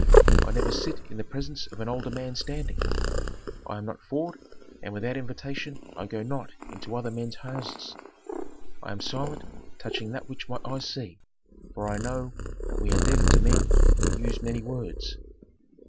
I never sit in the presence of an older man standing; I am not forward, and without invitation I go not into other men's houses. I am silent touching that which my eyes see, for I know that we are deaf to men who use many words.